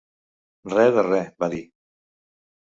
Re de re, va dir.